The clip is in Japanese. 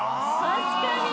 確かに。